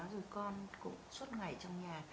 rồi con cũng suốt ngày trong nhà